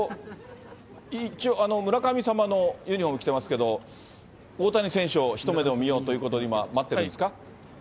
村神様のユニホーム着てますけど、大谷選手を一目でも見ようということで、今、待ってるんですか？